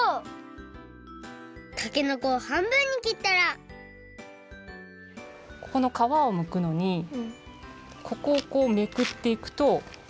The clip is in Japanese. たけのこをはんぶんにきったらこの皮をむくのにここをこうめくっていくと。